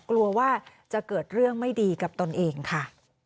กลัวว่าจะเกิดเรื่องไม่ดีกับตนเองค่ะ